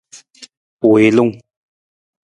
Wiilung.